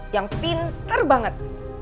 yang pinter banget